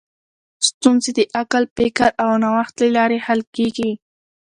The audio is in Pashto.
ستونزې د عقل، فکر او نوښت له لارې حل کېږي.